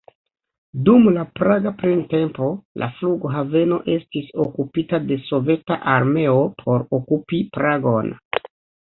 Dum la Praga printempo, la flughaveno estis okupita de Soveta armeo por okupi Pragon.